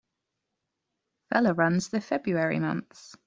Feller runs the February months.